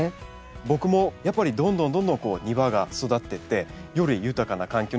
僕もやっぱりどんどんどんどん庭が育っていってより豊かな環境になってるなって。